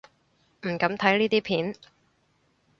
唔敢睇呢啲片